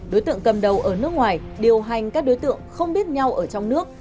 đối tượng cầm đầu ở nước ngoài điều hành các đối tượng không biết nhau ở trong nước